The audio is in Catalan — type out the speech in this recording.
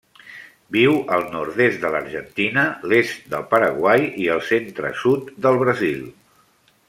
Viu al nord-est de l'Argentina, l'est del Paraguai i el centre-sud del Brasil.